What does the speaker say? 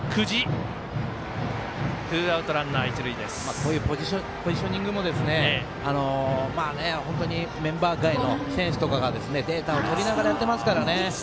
こういうポジショニングも本当にメンバー外の選手たちがデータを取りながらやっていますからね。